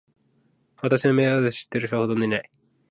私のメールアドレスを知ってる人はほとんどいない。